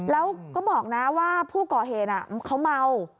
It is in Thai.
แล้วก็บอกนะว่าผู้ก่อเหตุเขาเมา